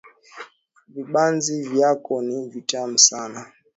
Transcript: Vibanzi vyako ni vitamu sanaa